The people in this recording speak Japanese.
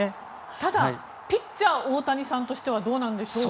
ただピッチャー・大谷さんとしてはどうなんでしょうか。